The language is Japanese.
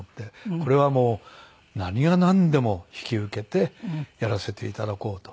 これはもう何がなんでも引き受けてやらせていただこうと。